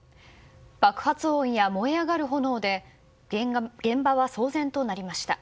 爆発音や燃え上がる炎で現場は騒然となりました。